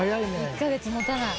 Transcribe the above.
「１カ月持たない」